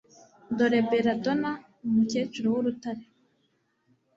Dore Belladonna Umukecuru wUrutare